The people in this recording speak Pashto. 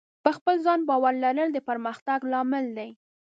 په خپل ځان باور لرل د پرمختګ لامل دی.